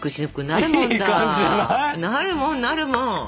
なるもんなるもん。